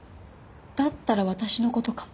だったら私の事かも。